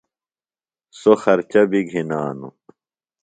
سوۡ خرچہ بیۡ گِھنانوۡ۔